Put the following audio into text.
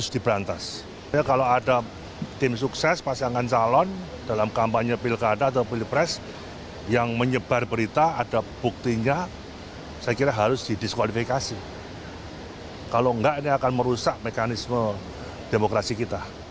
dibandingkan dengan upaya mendorong kemampuan penyelidikan penyelidikan dan penuntutan kpk sama sekali tidak berpedoman pada kuhab dan mengabaikan